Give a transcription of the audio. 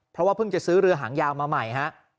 เพราะว่าเพิ่งจะซื้อเรือหางยาวมาใหม่ฮะ